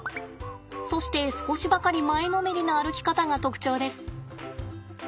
そして少しばかり前のめりな歩き方が特徴です。